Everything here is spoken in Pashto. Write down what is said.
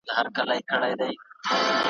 جنګ څخه مخکي د غلامانو په توګه ,